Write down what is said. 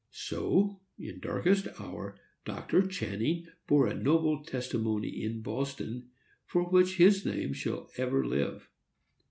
So, in darkest hour, Dr. Channing bore a noble testimony in Boston, for which his name shall ever live.